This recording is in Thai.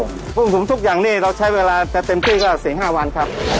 ปรุงสุมทุกอย่างนี่เราใช้เวลาจะเต็มที่ก็๔๕วันครับ